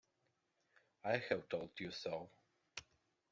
I have told you so.